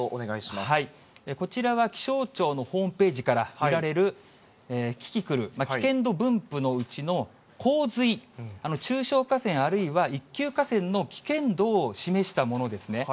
こちらは気象庁のホームページから見られるキキクル、危険度分布のうちの洪水、中小河川、あるいは一級河川の危険度を示したものですね。